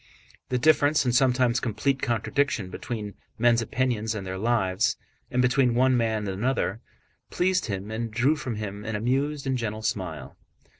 The difference, and sometimes complete contradiction, between men's opinions and their lives, and between one man and another, pleased him and drew from him an amused and gentle smile.